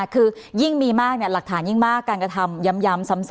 คือยิ่งมีมากหลักฐานยิ่งมากการกระทำย้ำซ้ำ